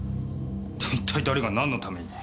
一体誰が何のために？